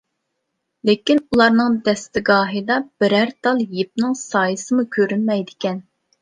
لېكىن ئۇلارنىڭ دەستىگاھىدا بىرەر تال يىپنىڭ سايىسىمۇ كۆرۈنمەيدىكەن.